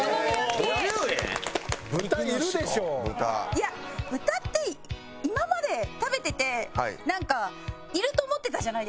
いや豚って今まで食べててなんかいると思ってたじゃないですか。